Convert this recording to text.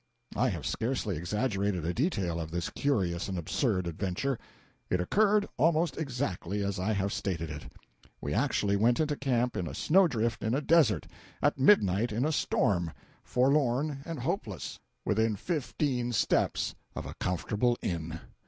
I have scarcely exaggerated a detail of this curious and absurd adventure. It occurred almost exactly as I have stated it. We actually went into camp in a snow drift in a desert, at midnight in a storm, forlorn and hopeless, within fifteen steps of a comfortable inn.